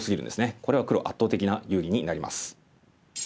これは黒圧倒的な有利になります。